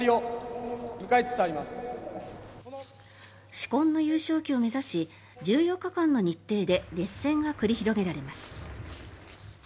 紫紺の優勝旗を目指し１４日間の日程で熱戦が繰り広げられます。